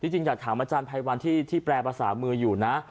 จริงอยากถามอาจารย์ไพรวันที่แปรภาษามืออยู่นะ